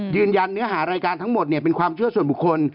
ยืนยันเนื้อหารายการทั้งหมดเนี่ยเป็นความเชื่อส่วนบุคคล